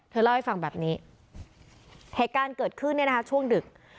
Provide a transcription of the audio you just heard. เธอเล่าให้ฟังแบบนี้แหกการเกิดขึ้นในช่วงดึก